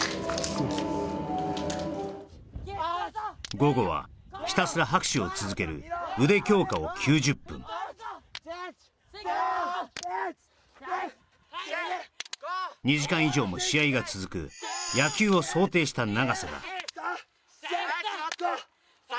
午後はひたすら拍手を続ける腕強化を９０分２時間以上も試合が続く野球を想定した長さだ３！